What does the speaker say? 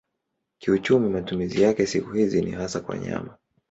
Kiuchumi matumizi yake siku hizi ni hasa kwa nyama.